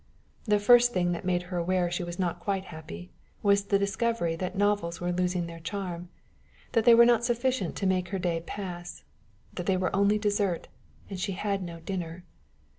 The first thing that made her aware she was not quite happy was the discovery that novels were losing their charm, that they were not sufficient to make her day pass, that they were only dessert, and she had no dinner.